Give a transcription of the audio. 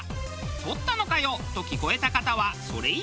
「撮ったのかよ」と聞こえた方はそれ以上。